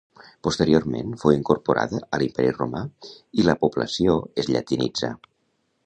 Posteriorment fou incorporada a l'Imperi romà i la població es llatinitzà.